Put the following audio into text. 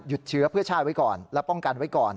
เชื้อเพื่อชาติไว้ก่อนและป้องกันไว้ก่อน